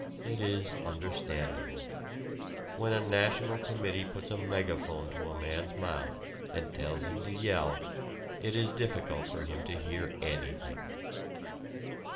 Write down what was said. It is understandable. When a National Committee puts a megaphone to a man's mouth and tells him to yell, it is difficult for him to hear anything.